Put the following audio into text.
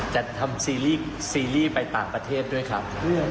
จะทำซีรีส์ซีรีส์ไปต่างประเทศด้วยครับ